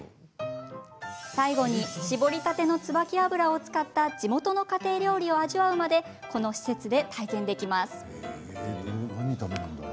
最後に搾りたての椿油を使った地元の家庭料理を味わうまでこの施設で体験できます。